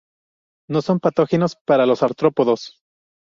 No son patógenos para los artrópodos.